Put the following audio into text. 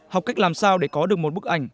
học cách làm sao để có được một bức ảnh